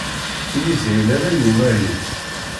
Ur yeshil ara i umahil